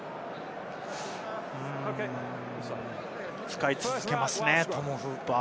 使い続けますね、トム・フーパー。